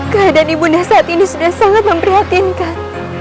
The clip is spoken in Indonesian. keadaan ibu nda saat ini sudah sangat memperhatinkan